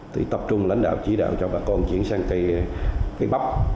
thì tập trung lãnh đạo chỉ đạo cho bà con chuyển sang cây cây bắp